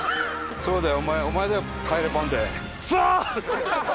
そうだよお前だよ「帰れパンデー」。